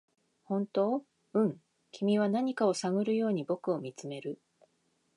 「本当？」「うん」君は何かを探るように僕を見つめる